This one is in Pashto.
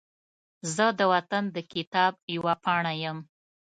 زه د وطن د کتاب یوه پاڼه یم